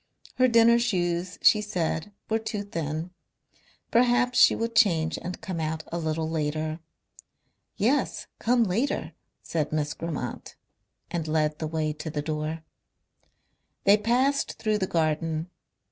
Her dinner shoes, she said, were too thin. Perhaps she would change and come out a little later. "Yes, come later," said Miss Grammont and led the way to the door. They passed through the garden.